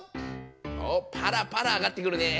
おっパラパラ挙がってくるね。